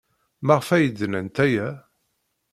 Maɣef ay d-nnant aya?